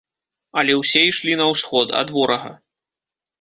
Але ўсе ішлі на ўсход, ад ворага.